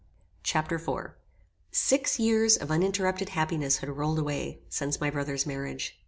Chapter IV Six years of uninterrupted happiness had rolled away, since my brother's marriage.